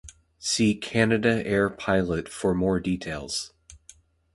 See Canada Air Pilot for more details.